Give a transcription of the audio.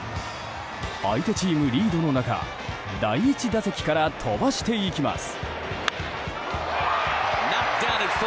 相手チームリードの中第１打席から飛ばしていきます。